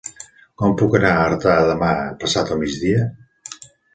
Com puc anar a Artà demà passat al migdia?